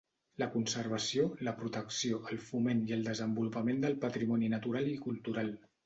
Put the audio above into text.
La conservació, la protecció, el foment i el desenvolupament del patrimoni natural i cultural.